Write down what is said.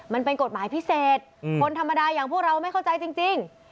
มันเป็นกฎหมายพิเศษคนธรรมดาอย่างพวกเราไม่เข้าใจจริง